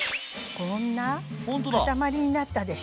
こんな塊になったでしょ？